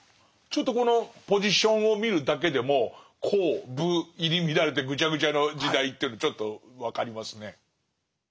ちょっとこのポジションを見るだけでも公・武入り乱れてぐちゃぐちゃの時代っていうのちょっと分かりますね。